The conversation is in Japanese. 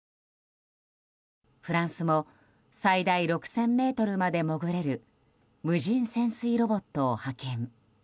フランスも最大６０００ｍまで潜れる無人潜水ロボットを派遣。